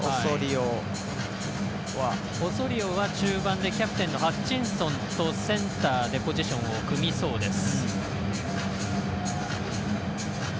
オソリオは中盤でキャプテンのハッチンソンとセンターでポジションを組みそうです。